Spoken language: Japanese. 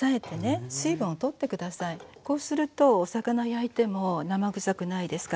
こうするとお魚焼いても生ぐさくないですから。